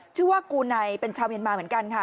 ชื่อว่ากูไนเป็นชาวเมียนมาเหมือนกันค่ะ